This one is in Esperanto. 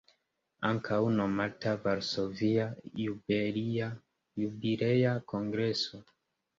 Ankaŭ nomata "Varsovia Jubilea Kongreso".